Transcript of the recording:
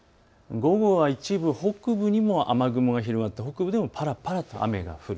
午後は一部、北部にも雨雲が広がって北部でもぱらぱらと雨が降る。